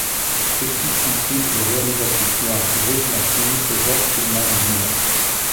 Ceux-ci incluent les réalisatrices noires Regina King et George Tillman Jr.